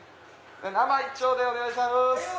生一丁でお願いします。